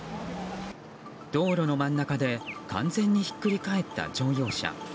道路の真ん中で完全にひっくり返った乗用車。